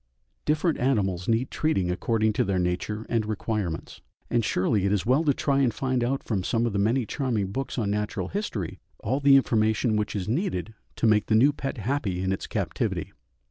Different animals need treating according to their nature and requirements, and surely it is well to try and find out from some of the many charming books on natural history all the information which is needed to make the new pet happy in its captivity.